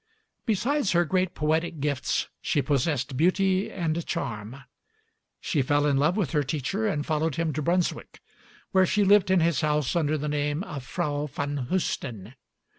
Besides her great poetic gifts she possessed beauty and charm. She fell in love with her teacher and followed him to Brunswick, where she lived in his house under the name of Frau van Heusden.